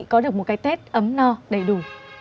có được một cái tết ấm no đầy đủ